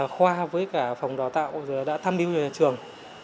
khoa với cả phòng đào tạo đã tham mưu cho nhà trường